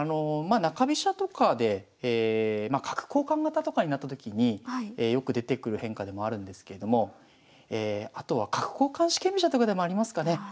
まあ中飛車とかで角交換型とかになったときによく出てくる変化でもあるんですけれどもあとは角交換四間飛車とかでもありますかね。